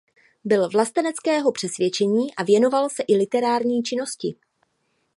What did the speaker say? Byl vlasteneckého přesvědčení a věnoval se i literární činnosti.